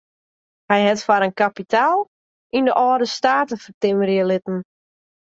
Hy hat foar in kapitaal yn de âlde state fertimmerje litten.